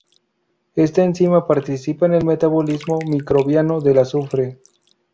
Esta enzima participa en el metabolismo microbiano del azufre.